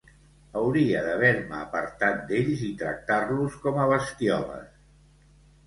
Hauria d'haver-me apartat d'ells i tractar-los com a bestioles.